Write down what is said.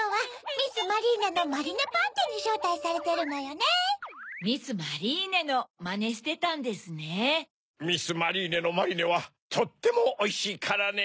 ミス・マリーネのマリネはとってもおいしいからね。